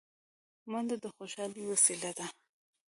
منډه د خوشحالۍ وسیله ده